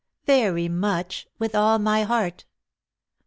" Very much. With all my heart."